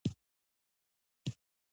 • د موجونو ږغ د سمندر ښکلا زیاتوي.